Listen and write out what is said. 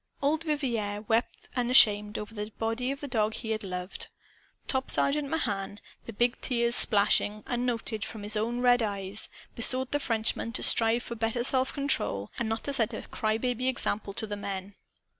Old Vivier wept unashamed over the body of the dog he had loved. Top Sergeant Mahan the big tears splashing, unnoted, from his own red eyes besought the Frenchman to strive for better self control and not to set a cry baby example to the men.